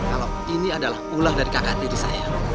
kalau ini adalah ulah dari kakak diri saya